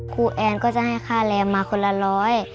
แอนก็จะให้ค่าแรงมาคนละร้อย